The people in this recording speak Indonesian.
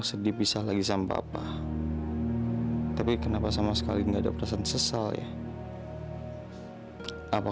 sampai jumpa di video selanjutnya